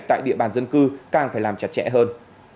tại địa bàn dân cư càng phải làm chặt chẽ hơn